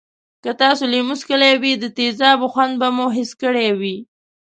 که تاسې لیمو څکلی وي د تیزابو خوند به مو حس کړی وی.